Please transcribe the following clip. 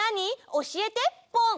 おしえてポン！